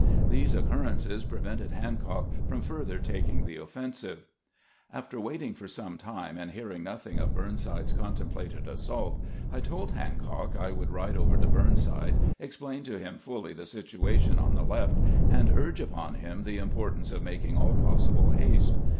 These occurrences prevented Hancock from further taking the offensive. GEANT AT A OKITICAL MOMENT 59 After waiting for some time, and hearing nothing of Burnside's contemplated assault, I told Hancock I would ride over to Burnside, explain to him fully the situation on the left, and urge upon him the importance of mak ing all possible haste.